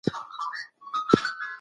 هغه کتاب چې تا ماته راکړ ډېر ګټور و.